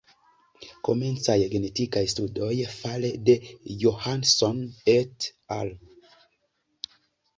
Komencaj genetikaj studoj fare de Johnson et al.